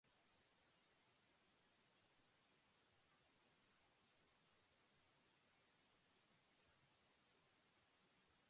Esta nueva versión fue aclamada por la crítica especializada.